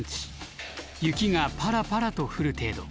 雪がパラパラと降る程度。